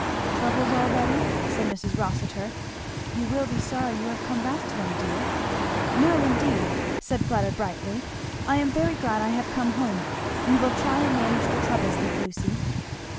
"Troubles already!" said Mrs. Rossitur. "You will be sorry you have come back to them, dear." "No indeed!" said Fleda brightly; "I am very glad I have come home. We will try and manage the troubles, aunt Lucy."